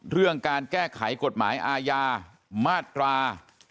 เรื่องการแก้ไขกฎหมายอาญามาตรา